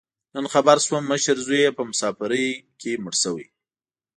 نن خبر شوم، مشر زوی یې په مسافرۍ مړ شوی.